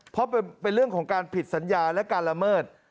เพราะเป็นเรื่องของการผิดสัญญาและการละเมิด